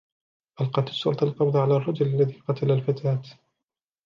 ألقت الشرطة القبض على الرجل الذي قتل الفتاة.